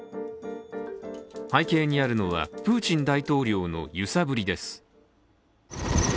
背景にあるのはプーチン大統領の揺さぶりです。